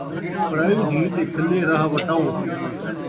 پرائی دھی تے کھلے راہ وٹاؤ